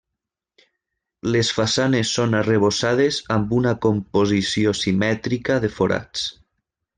Les façanes són arrebossades amb una composició simètrica de forats.